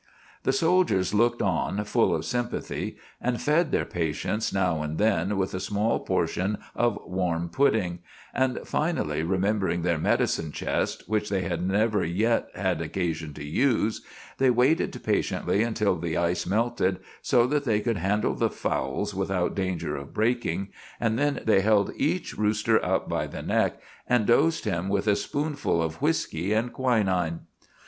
The soldiers looked on, full of sympathy, and fed their patients now and then with a small portion of warm pudding; and finally, remembering their medicine chest, which they had never yet had occasion to use, they waited patiently until the ice melted, so that they could handle the fowls without danger of breaking, and then they held each rooster up by the neck and dosed him with a spoonful of whisky and quinine.